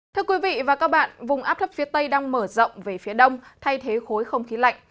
thưa quý vị và các bạn vùng áp thấp phía tây đang mở rộng về phía đông thay thế khối không khí lạnh